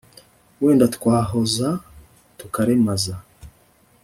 wenda twahoza tukaremaza